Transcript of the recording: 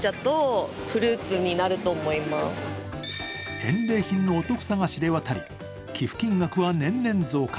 返礼品のお得さが知れ渡り、寄付金額は年々増加。